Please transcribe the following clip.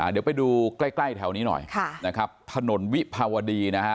เดี๋ยวไปดูใกล้แถวนี้หน่อยนะครับถนนวิภาวดีนะฮะ